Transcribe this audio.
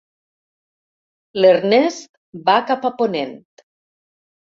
L'Ernest va cap a Ponent.